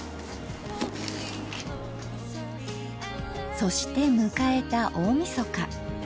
そして迎えた大みそか。